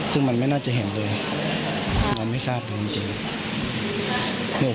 ซึ่งมันไม่น่าจะเห็นเลยครับเราไม่ทราบเลยจริง